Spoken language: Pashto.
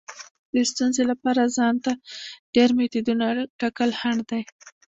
د ستونزې لپاره ځان ته ډیر میتودونه ټاکل خنډ دی.